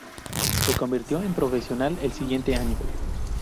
Se convirtió en profesional el siguiente año.